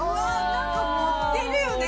何か盛ってるよね